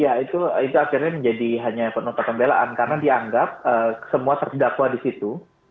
ya itu akhirnya menjadi hanya notabene belaan karena dianggap semua terdakwa disitu